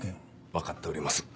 わかっております。